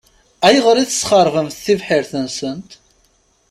Ayɣer i tesxeṛbemt tibḥirt-nsent?